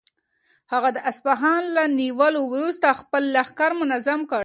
هغه د اصفهان له نیولو وروسته خپل لښکر منظم کړ.